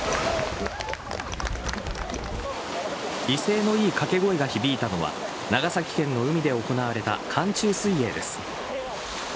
威勢のいい掛け声が響いたのは長崎県の海で行われた寒中水泳です。